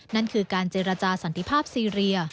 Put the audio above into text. นั่นคือการเจรจาสันติภาพซีเรีย